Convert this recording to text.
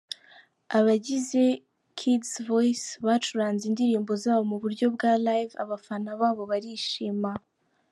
Abagize Kidz Voice bacuranze indirimbo zabo mu buryo bwa live abafana babo barishima.